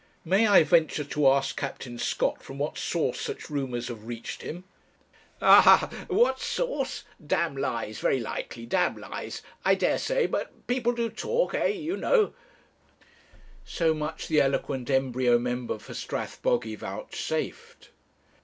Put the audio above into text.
'May I venture to ask Captain Scott from what source such rumours have reached him!' 'Ah ha what source? d lies, very likely; d lies, I dare say; but people do talk eh you know,' so much the eloquent embryo member for Strathbogy vouchsafed.